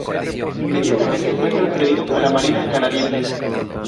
Inmediatamente fue transferido a la Marina Canadiense.